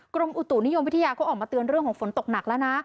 กรมอุตุนิยมวิทยาเขาออกมาเตือนเรื่องของฝนตกหนักแล้วนะ